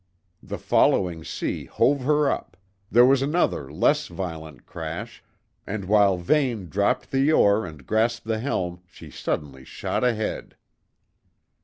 The following sea hove her up; there was another less violent crash, and while Vane dropped the oar and grasped the helm she suddenly shot ahead.